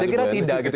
saya kira tidak gitu